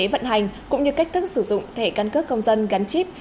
cơ chế vận hành cũng như cách thức sử dụng thẻ căn cấp công dân gắn chip